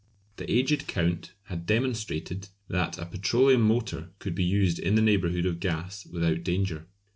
The aged Count had demonstrated that a petroleum motor could be used in the neighbourhood of gas without danger.